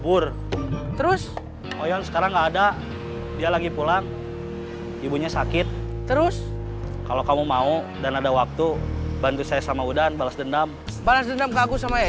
oyun sekarang enggak ada dia lagi pulang ibunya sakit terus kalau kamu mau dan ada waktu bantu saya sama udan balas dendam balas dendam ke agus sama yaya